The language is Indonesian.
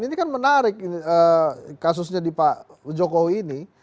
ini kan menarik kasusnya di pak jokowi ini